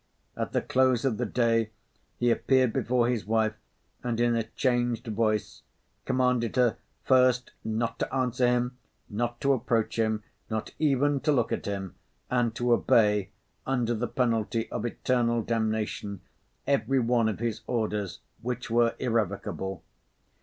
At the close of the day, he appeared before his wife, and in a changed voice commanded her first not to answer him, not to approach him, not even to look at him, and to obey, under the penalty of eternal damnation, every one of his orders, which were irrevocable.